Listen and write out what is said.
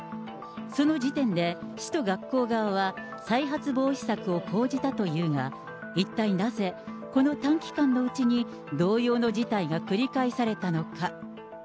その時点で、市と学校側は再発防止策を講じたというが、一体なぜ、この短期間のうちに同様の事態が繰り返されたのか。